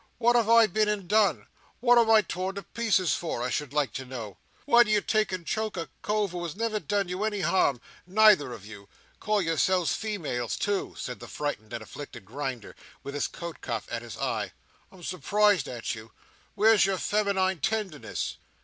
What have I been and done? What am I to be tore to pieces for, I should like to know? Why do you take and choke a cove who has never done you any harm, neither of you? Call yourselves females, too!" said the frightened and afflicted Grinder, with his coat cuff at his eye. "I'm surprised at you! Where's your feminine tenderness?"